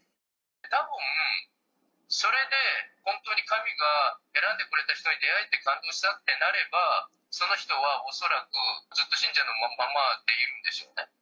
たぶん、それで本当に神が選んでくれた人に出会えて感動したってなれば、その人は恐らくずっと信者のままでいるんでしょうね。